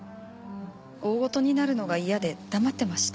大事になるのが嫌で黙ってました。